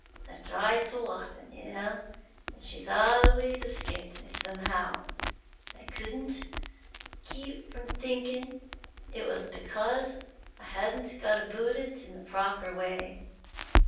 I've tried so often, you know, and she's always escaped me, somehow, and I couldn't help thinking it was because I hadn't gone about it in the proper way.